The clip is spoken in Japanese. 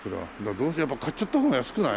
どうせやっぱ買っちゃった方が安くない？